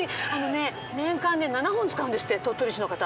年間で７本使うんですって鳥取市の方。